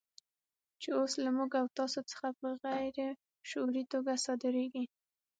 چې اوس له موږ او تاسو څخه په غیر شعوري توګه صادرېږي.